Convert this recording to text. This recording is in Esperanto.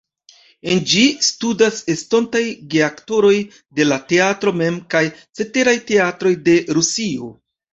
En ĝi studas estontaj geaktoroj de la teatro mem kaj ceteraj teatroj de Rusio.